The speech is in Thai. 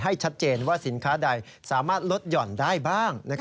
ชัดเจนว่าสินค้าใดสามารถลดหย่อนได้บ้าง